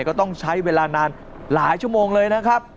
ก็ต้องใช้เวลานานหลายชั่วโมงเลยนะครับ